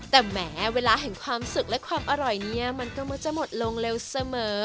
แต่แม้เวลาเห็นความสุขและอร่อยก็มันจะหมดลงเร็วเสมอ